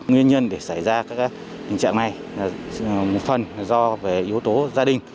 nguyên nhân để xảy ra các tình trạng này là một phần do về yếu tố gia đình